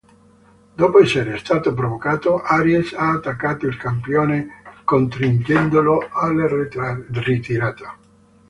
Dopo essere stato provocato, Aries ha attaccato il campione costringendolo alla ritirata.